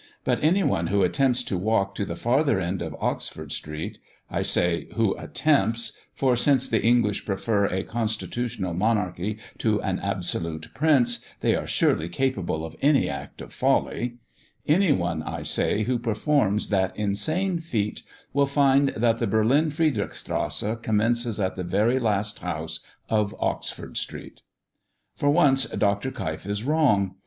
But any one who attempts to walk to the farther end of Oxford street I say 'who attempts,' for, since the English prefer a constitutional monarchy to an absolute prince, they are surely capable of any act of folly any one, I say, who performs that insane feat, will find that the Berlin Friedrichstrasse commences at the very last house of Oxford street." For once Dr. Keif is wrong.